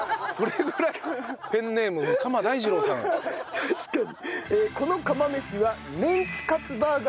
確かに。